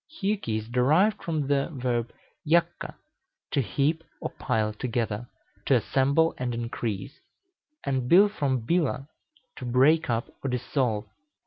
Hjuki is derived from the verb jakka, to heap or pile together, to assemble and increase; and Bil from bila, to break up or dissolve.